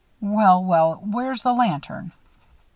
Well, well, where's the lantern?"